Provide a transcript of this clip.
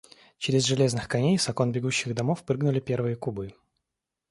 Че- рез железных коней с окон бегущих домов прыгнули первые кубы.